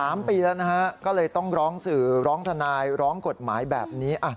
๓ปีแล้วนะฮะก็เลยต้องร้องสื่อร้องทนายร้องกฎหมายแบบนี้